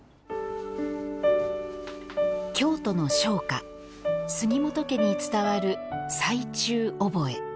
京都の商家・杉本家に伝わる「歳中覚」。